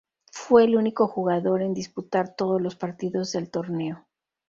Fue el único jugador en disputar todos los partidos del torneo.